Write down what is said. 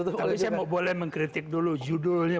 tapi saya mau boleh mengkritik dulu judulnya